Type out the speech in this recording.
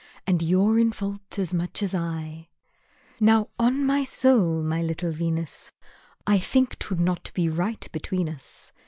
And you *re in fault as much as I : Now, on my soul, my little Venus, I think 't would not be right, between us.